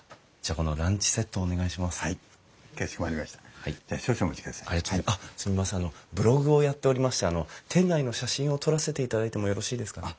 あのブログをやっておりまして店内の写真を撮らせていただいてもよろしいですかね？